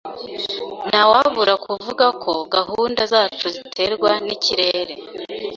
Ntawabura kuvuga ko gahunda zacu ziterwa nikirere.